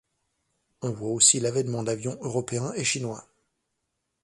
On voit aussi l'avènement d'avions européens et chinois.